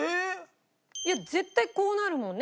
いや絶対こうなるもんね